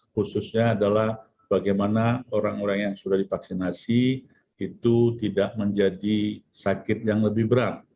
khususnya adalah bagaimana orang orang yang sudah divaksinasi itu tidak menjadi sakit yang lebih berat